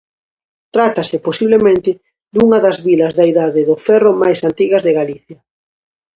Trátase, posiblemente, dunha das vilas da Idade do Ferro máis antigas de Galicia.